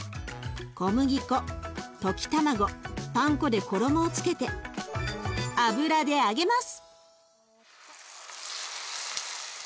小麦粉溶き卵パン粉で衣をつけて油で揚げます。